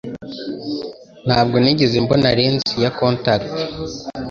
Ntabwo nigeze mbona lens ya contact